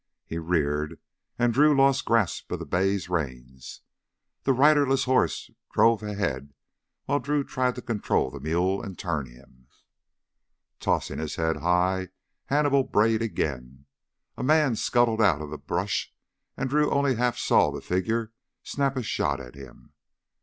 He reared and Drew lost grasp of the bay's reins. The riderless horse drove ahead while Drew tried to control the mule and turn him. Tossing his head high, Hannibal brayed again. A man scuttled out of the brush, and Drew only half saw the figure snap a shot at him.